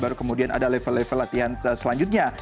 baru kemudian ada level level latihan selanjutnya